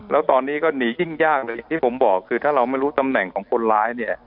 แล้วตอนนี้ก็หนียิ่งยากเลยอย่างที่ผมบอกคือถ้าเราไม่รู้ตำแหน่งของคนร้ายเนี่ย